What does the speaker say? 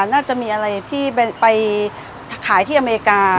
น่าจะมีอะไรที่ไปขายที่อเมริกา